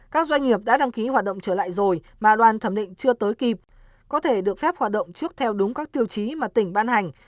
các doanh nghiệp đã đăng ký hoạt động trở lại rồi mà đoàn thẩm định chưa tới kịp có thể được phép hoạt động trước theo đúng các tiêu chí mà tỉnh ban hành